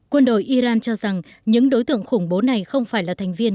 quân đội iran cho rằng những đối tượng khủng bố này không phải là thành viên